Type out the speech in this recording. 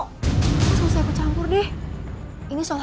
kalau aku akan tetep berprestasi di sekolah